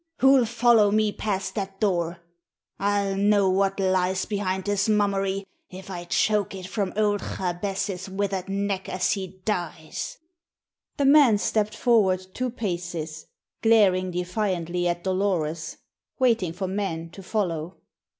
Who'll follow me past that door? I'll know what lies behind this mummery if I choke it from old Jabez's withered neck as he dies." The man stepped forward two paces, glaring defiantly at Dolores, waiting for men to follow.